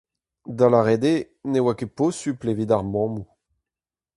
Da lâret eo, ne oa ket posupl evit ar mammoù.